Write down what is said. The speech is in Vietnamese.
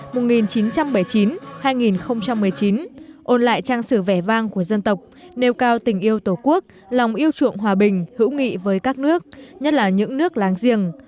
mùa một nghìn chín trăm bảy mươi chín hai nghìn một mươi chín ôn lại trang sử vẻ vang của dân tộc nêu cao tình yêu tổ quốc lòng yêu chuộng hòa bình hữu nghị với các nước nhất là những nước láng giềng